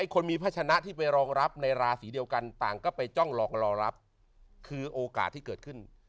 คนมีพัชนะที่ไปรองรับในราศีเดียวกันต่างก็ไปจ้องรองรอรับคือโอกาสที่เกิดขึ้น